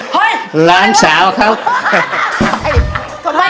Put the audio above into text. โว้ยโว้ยโว้ยโว้ยโว้ยโว้ยโว้ยเฮ้ย